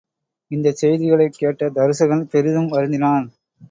இந்தச் செய்திகளைக் கேட்ட தருசகன் பெரிதும் வருந்தினான்.